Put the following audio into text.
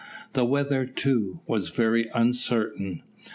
The weather, too, was very uncertain.